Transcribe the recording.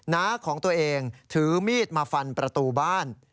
น้าของตัวเองถือมีดมาฟันประตูบ้าน